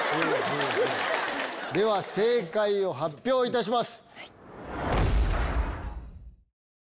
では正解を発表いたします。